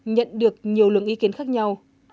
nhận được nhiều lượng ý kiến khác nhau